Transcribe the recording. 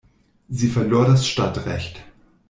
Sie verlor das Stadtrecht.